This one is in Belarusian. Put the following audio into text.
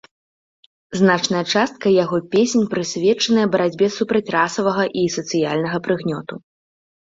Значная частка яго песень прысвечаныя барацьбе супраць расавага і сацыяльнага прыгнёту.